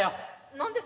何ですか？